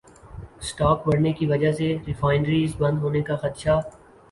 stock بڑھنے کی وجہ سے ریفائنریز بند ہونے کا خدشہ